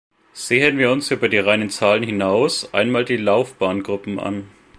Sehen wir uns über die reinen Zahlen hinaus einmal die Laufbahngruppen an.